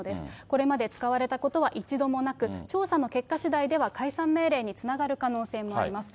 これまで使われたことは一度もなく、調査の結果しだいでは解散命令につながる可能性もあります。